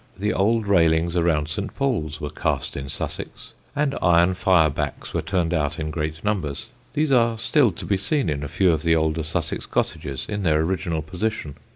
The old railings around St. Paul's were cast in Sussex; and iron fire backs were turned out in great numbers. These are still to be seen in a few of the older Sussex cottages in their original position.